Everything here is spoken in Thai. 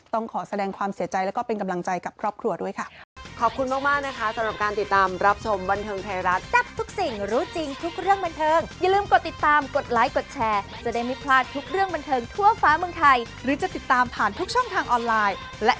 ต้องขอแสดงความเสียใจแล้วก็เป็นกำลังใจกับครอบครัวด้วยค่ะ